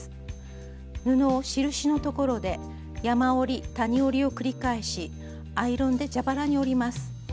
布を印のところで山折り谷折りを繰り返しアイロンで蛇腹に折ります。